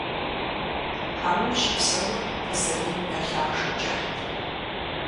Хьэрун щыпсэур пасэрей унэ лъахъшэ кӀыхьт.